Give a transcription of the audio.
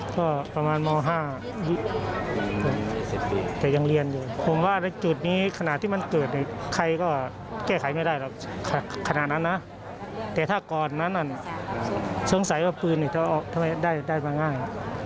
แต่ถ้าก่อนนั้นน่ะสงสัยว่าพื้นทำไมได้มาง่าย